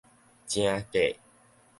成格